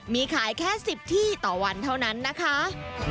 มีขายแค่๑๐ที่ต่อวันเท่านั้นนะคะ